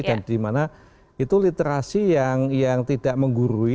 dan dimana itu literasi yang tidak menggurui